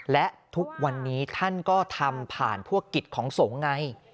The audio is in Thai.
และทุกวันนี้ท่านก็ทำผ่านพวกกิจของสงฆ์ไง